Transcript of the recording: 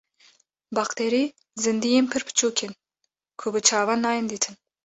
Bakterî zindiyên pir biçûk in ku bi çavan nayên dîtin.